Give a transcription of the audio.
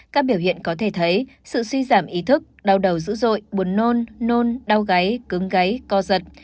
các biểu hiện có thể thấy sự suy giảm ý thức đau đầu dữ dội buồn nôn nôn đau gáy cứng gáy co giật